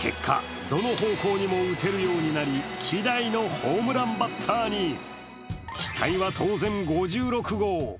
結果、どの方向にも打てるようになり、希代のホームランバッターに期待は当然５６号。